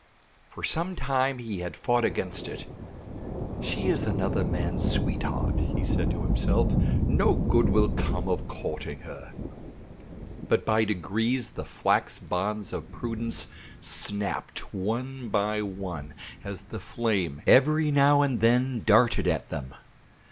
For some time he had fought against it. "She is another man's sweetheart," he had said to himself; "no good will come of courting her." But by degrees the flax bonds of prudence snapped one by one as the flame every now and then darted at them.